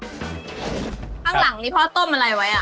ข้างหลังนี่พ่อต้มอะไรไว้